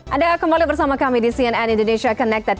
anda kembali bersama kami di cnn indonesia connected